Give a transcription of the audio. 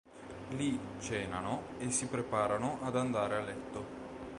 Lì, cenano e si preparano ad andare a letto.